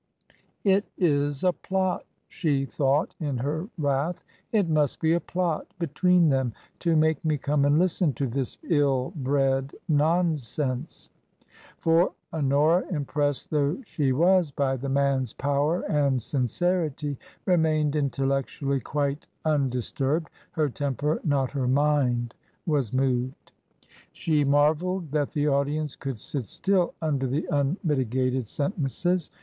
" It is a plot," she thought in her wrath ;" it must be a plot between them to make me come and listen to this ill bred nonsense." For Honora, impressed though she was by the man's power and sincerity, remained intellectually quite undis turbed; her temper, not her mind, was moved. She 9* I02 TRANSITION. marvelled that the audience could sit still under the unmitigated sentences.